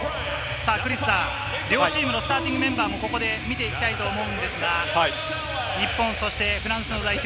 クリスさん、両チームのスターティングメンバーもここで見ていきたいと思うんですが、日本、そしてフランスの代表。